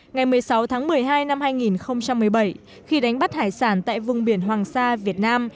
ngày một mươi sáu tháng một mươi hai năm hai nghìn một mươi bảy khi đánh bắt hải sản tại vùng biển hoàng sa việt nam